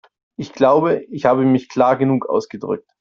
Ich glaube, ich habe mich klar genug ausgedrückt.